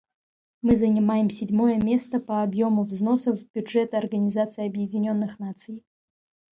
Мы занимаем седьмое место по объему взносов в бюджет Организации Объединенных Наций.